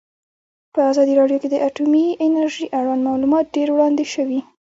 په ازادي راډیو کې د اټومي انرژي اړوند معلومات ډېر وړاندې شوي.